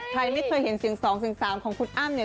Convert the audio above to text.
ใครไม่เคยเห็นเสียง๒เสียง๓ของคุณอ้ำเนี่ย